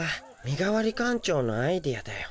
みがわり館長のアイデアだよ。